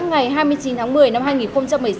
ngày hai mươi chín tháng một mươi năm hai nghìn một mươi sáu